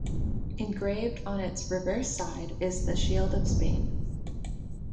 Engraved on its reverse side is the shield of Spain.